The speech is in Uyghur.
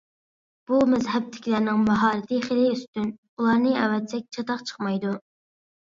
بۇ مەزھەپتىكىلەرنىڭ ماھارىتى خېلى ئۈستۈن ئۇلارنى ئەۋەتسەك چاتاق چىقمايدۇ.